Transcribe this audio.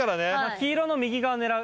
黄色の右側狙う。